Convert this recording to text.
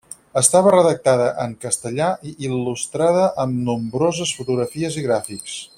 Estava redactada en castellà i il·lustrada amb nombroses fotografies i gràfics.